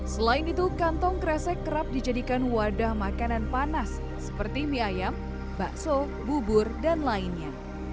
selain itu kantong kresek kerap dijadikan wadah makanan panas seperti mie ayam bakso bubur dan lainnya